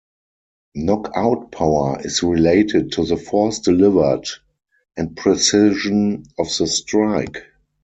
Knockout power is related to the force delivered and precision of the strike.